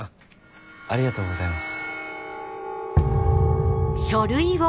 ありがとうございます。